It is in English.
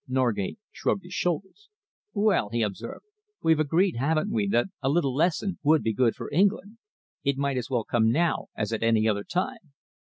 Norgate shrugged his shoulders. "Well," he observed, "we've agreed, haven't we, that a little lesson would be good for England? It might as well come now as at any other time."